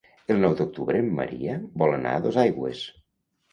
El nou d'octubre en Maria vol anar a Dosaigües.